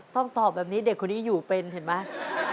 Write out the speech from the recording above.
ต้องตอบแบบนี้เด็กคนนี้อยู่เป็นเห็นไหม